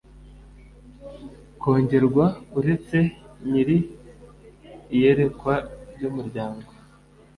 kongerwa uretse nyiri iyerekwa ry umuryango